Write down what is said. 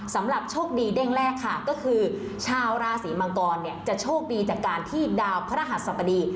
สำหรับโชคดีเด้งแรกค่ะก็คือชาวราศีมังกรเนี่ยจะโชคดีจากการที่ดาวพระหัสสบดี